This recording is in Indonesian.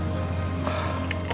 kita mesti kemana lagi sih cari elsa